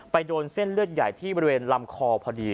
โดนเส้นเลือดใหญ่ที่บริเวณลำคอพอดี